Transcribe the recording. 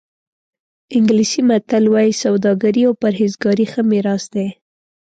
انګلیسي متل وایي سوداګري او پرهېزګاري ښه میراث دی.